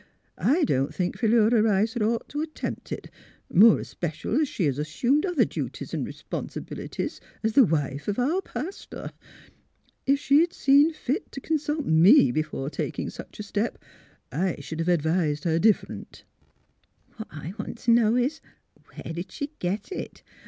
I don't think Philura Rice 'd ought t' attempt it, more especial as she has assumed other duties an' r'ponsibilities as the wife of our pastor. If she'd seen fit t' consult me be fore taking such a step, I sh'd have advised her different." '' What I want t' know is, where did she get it?